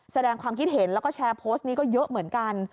แสดงความคิดเห็นแล้วก็แชร์โพสต์นี้ก็เยอะเหมือนกัน